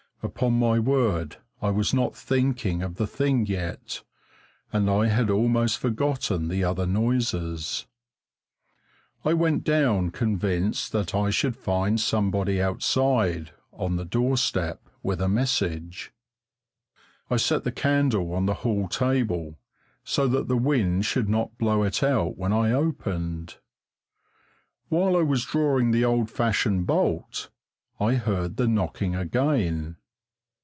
Upon my word, I was not thinking of the thing yet, and I had almost forgotten the other noises. I went down convinced that I should find somebody outside, on the doorstep, with a message. I set the candle on the hall table, so that the wind should not blow it out when I opened. While I was drawing the old fashioned bolt I heard the knocking again.